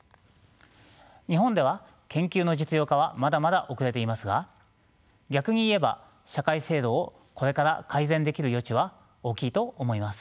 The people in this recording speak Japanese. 日本では研究の実用化はまだまだ遅れていますが逆に言えば社会制度をこれから改善できる余地は大きいと思います。